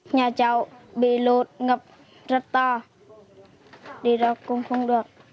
nhà cháu bị lột ngập rất to đi ra cũng không được